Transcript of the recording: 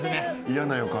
嫌な予感。